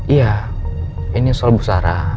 iya ini soal bu sarah